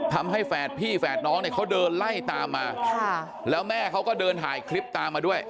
แฝดพี่แฝดน้องเนี่ยเขาเดินไล่ตามมาแล้วแม่เขาก็เดินถ่ายคลิปตามมาด้วย